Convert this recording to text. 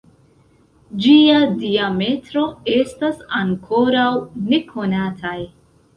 Ĝia diametro estas ankoraŭ nekonataj.